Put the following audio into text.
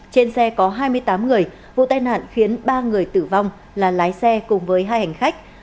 trên xe có hai mươi tám người vụ tai nạn khiến ba người tử vong là lái xe cùng với hai hành khách